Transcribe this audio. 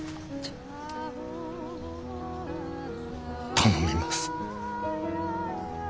頼みます。